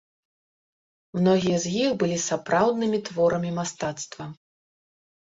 Многія з іх былі сапраўднымі творамі мастацтва.